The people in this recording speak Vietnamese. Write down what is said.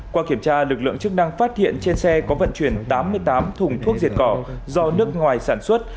qua kiểm tra lực lượng chức năng phát hiện trên xe có vận chuyển tám mươi tám thùng thuốc diệt cỏ do nước ngoài sản xuất